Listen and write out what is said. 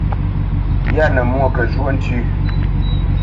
Yâ nə mwô kə zhwóʼ ntʉ́.